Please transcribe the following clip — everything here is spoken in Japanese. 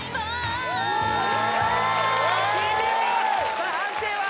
さあ判定は？